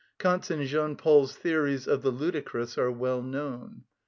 Kant's and Jean Paul's theories of the ludicrous are well known.